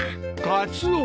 カツオ。